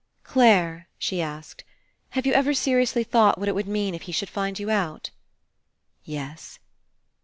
"Clare," she asked, "have you ever seri ously thought what It would mean If he should find you out?" , "Yes."